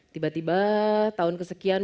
tiba tiba tahun kesekian